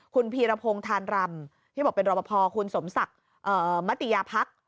คุณพีรพงศ์ธานรำที่บอกเป็นรอปภคุณสมศักดิ์มติยาพัก